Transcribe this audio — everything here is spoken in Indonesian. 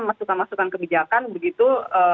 masukan masukan kebijakan begitu